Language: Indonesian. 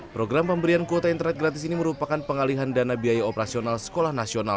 program pemberian kuota internet gratis ini merupakan pengalihan dana biaya operasional sekolah nasional